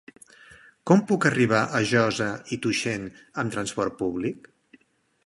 Com puc arribar a Josa i Tuixén amb trasport públic?